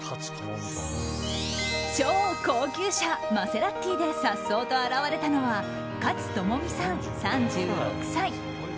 超高級車マセラティでさっそうと現れたのは勝友美さん、３６歳。